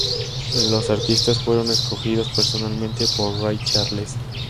Los artistas fueron escogidos personalmente por Ray Charles.